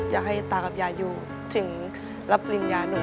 อยากให้ตากับยายอยู่ถึงรับปริญญาหนู